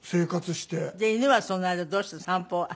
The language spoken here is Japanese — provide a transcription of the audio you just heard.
で犬はその間どうして散歩は。